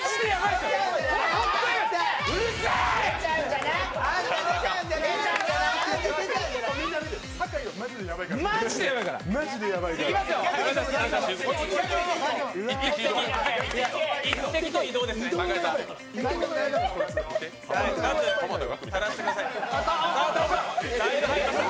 だいぶ入りました。